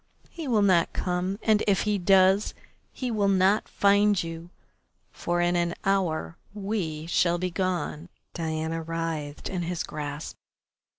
He will not come, and if he does, he will not find you, for in an hour we shall be gone." Diana writhed in his grasp.